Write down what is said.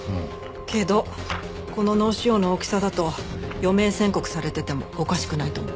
けどこの脳腫瘍の大きさだと余命宣告されててもおかしくないと思う。